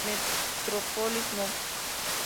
Metropolis No.